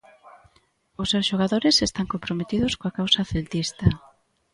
Os seus xogadores están comprometidos coa causa celtista.